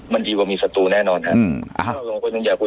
มันดีกว่ามีสตูแน่นอนครับ